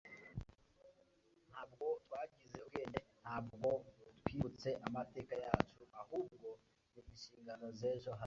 ntabwo twagize ubwenge ntabwo twibutse amateka yacu, ahubwo ni inshingano z'ejo hazaza